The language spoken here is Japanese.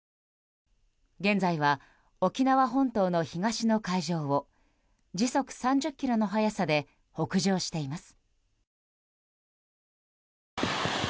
現在は沖縄本島の東の海上を時速３０キロの速さで北上しています。